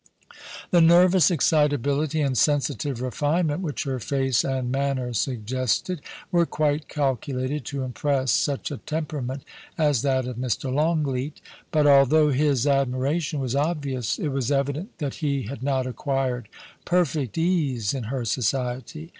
The nervous excitability and sensitive refinement which her face and manner suggested, were quite calculated to impress such a temperament as that of Mr. Longleat ; but although his admiration was obvious, it was evident that he had not acquired perfect ease in her society.